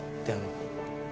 であの。